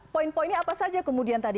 poin poinnya apa saja kemudian tadi